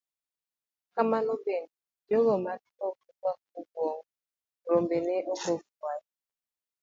Kamano bende, jogo mane ok ruak abuog rombe ne ogo fwai.